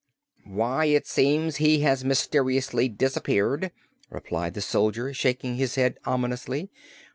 "Why, it seems he has mysteriously disappeared," replied the soldier, shaking his head ominously.